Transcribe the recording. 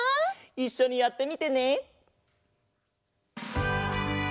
いっしょにやってみてね。